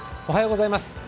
おはようございます。